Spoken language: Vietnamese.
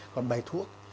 còn bài thuốc